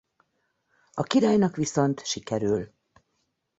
A királynak viszont sikerül.